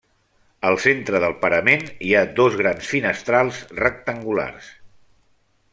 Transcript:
Al centre del parament hi ha dos grans finestrals rectangulars.